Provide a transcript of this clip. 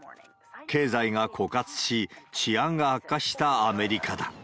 経済が枯渇し、治安が悪化したアメリカだ。